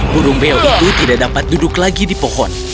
burung beo itu tidak dapat duduk lagi di pohon